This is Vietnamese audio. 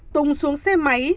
tùng xuống xe máy